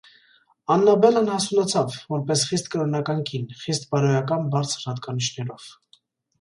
Աննաբելլան հասունացավ, որպես խիստ կրոնական կին՝ խիստ բարոյական բարձր հատկանիշներով։